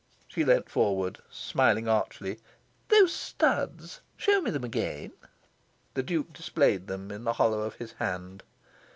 She leaned forward, smiling archly. "Those studs show me them again." The Duke displayed them in the hollow of his hand.